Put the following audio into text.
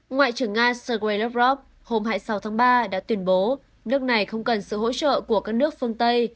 ngoại trưởng nga sergei lavrov hôm hai mươi sáu tháng ba đã tuyên bố nước này không cần sự hỗ trợ của các nước phương tây